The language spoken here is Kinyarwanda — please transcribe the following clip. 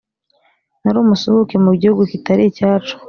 Nari umusuhuke mu gihugu kitari icyacu